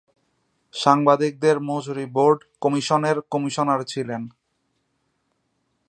সাংবাদিকদের মজুরি বোর্ড কমিশনের কমিশনার ছিলেন।